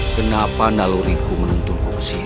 kenapa naluriku menuntunku kesini